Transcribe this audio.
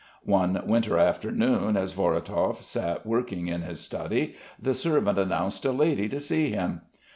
One winter afternoon, as Vorotov sat working in his study, the servant announced a lady to see him.